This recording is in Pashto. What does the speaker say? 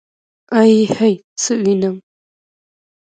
ائ هئ څه وينم.